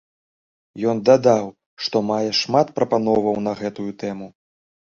Ён дадаў, што мае шмат прапановаў на гэтую тэму.